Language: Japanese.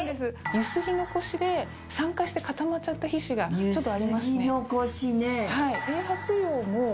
ゆすぎ残しで酸化して固まっちゃった皮脂がちょっとありますね。